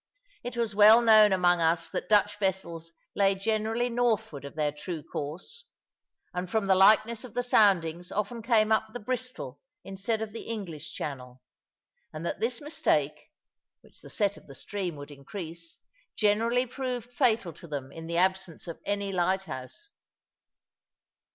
It was well known among us that Dutch vessels lay generally northward of their true course, and from the likeness of the soundings often came up the Bristol instead of the English Channel; and that this mistake (which the set of the stream would increase) generally proved fatal to them in the absence of any lighthouse.